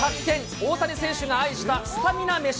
大谷選手が愛したスタミナ飯。